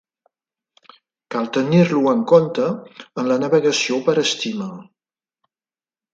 Cal tenir-lo en compte en la navegació per estima.